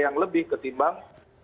yang lebih ketimbang